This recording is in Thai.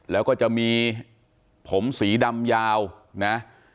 แล้วก็จะมีผมสีดำยาวนะ